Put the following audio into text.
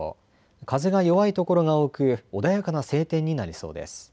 風が弱い所が多く穏やかな晴天になりそうです。